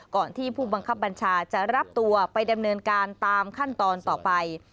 ที่ผู้บังคับบัญชาจะรับตัวไปดำเนินการตามขั้นตอนต่อไป